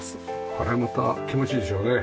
これまた気持ちいいでしょうね。